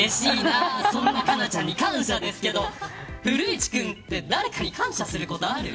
そんな佳菜ちゃんに感謝ですけど古市君って誰かに感謝することある。